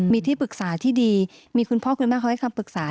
มีที่ปรึกษาที่ดีมีคุณพ่อคุณแม่เขาให้คำปรึกษา